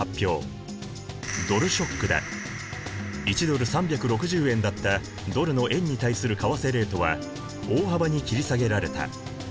１ドル３６０円だったドルの円に対する為替レートは大幅に切り下げられた。